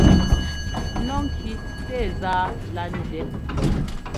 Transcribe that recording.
Nɔ́ ŋki tɛɛ zá lá ndɛ́.